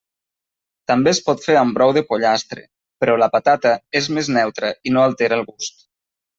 També es pot fer amb brou de pollastre, però la patata és més neutra i no altera el gust.